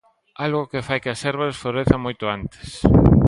Algo que fai que as árbores florezan moito antes.